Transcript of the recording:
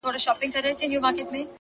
بیا خرڅ کړئ شاه شجاع یم پر پردیو _